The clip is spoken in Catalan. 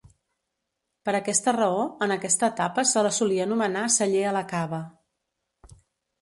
Per aquesta raó, en aquesta etapa se la solia anomenar celler a la cava.